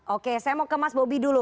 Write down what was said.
oke saya mau ke mas bobi dulu